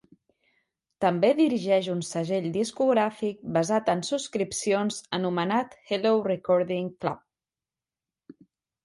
També dirigeix un segell discogràfic basat en subscripcions anomenat Hello Recording Club.